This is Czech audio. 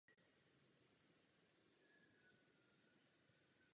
Téma Zimbabwe bylo samozřejmě aktuální.